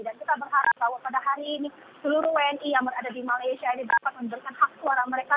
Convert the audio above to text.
dan kita berharap bahwa pada hari ini seluruh wni yang berada di malaysia ini dapat memberikan hak suara mereka